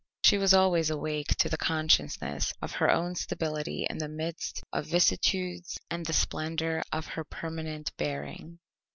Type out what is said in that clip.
She was always awake to the consciousness of her own stability in the midst of vicissitudes and the splendour of her permanent bearing.